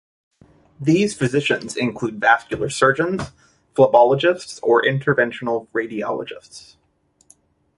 These physicians include vascular surgeons, phlebologists or interventional radiologists.